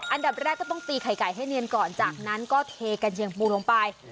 อันดับแรกก็ต้องตีไข่ไก่ให้เนียนก่อนจากนั้นก็เทกันเชียงปูลงไป